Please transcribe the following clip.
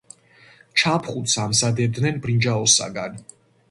ჩაფხუტს ამზადებდნენ ბრინჯაოსაგან.